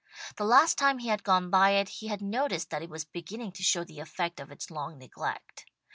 The last time he had gone by it, he had noticed that it was beginning to show the effect of its long neglect.